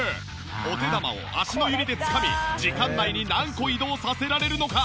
お手玉を足の指でつかみ時間内に何個移動させられるのか！？